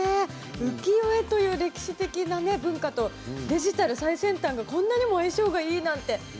浮世絵という歴史的な文化とデジタル、最先端がこんなにも相性がいいなんて。